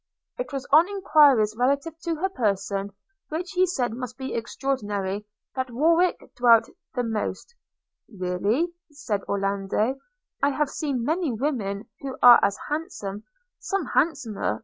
It was on enquiries relative to her person, which he said must be extaordinary, that Warwick dwelt the most – 'Really,' said Orlando, 'I have seen many women who are as handsome, some handsomer.